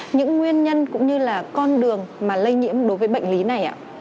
những nguyên nhân cũng như là con đường mà lây nhiễm đối với bệnh lý này ạ